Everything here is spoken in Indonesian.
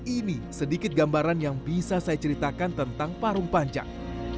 ini sedikit gambaran yang bisa saya ceritakan tentang parung panjang